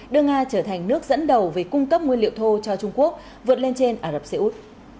đưa nga trở thành nước dẫn đầu về cung cấp nguyên liệu thô cho trung quốc vượt lên trên ả rập xê út